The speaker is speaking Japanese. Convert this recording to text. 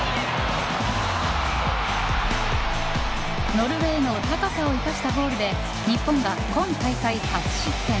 ノルウェーの高さを生かしたゴールで日本が今大会、初失点。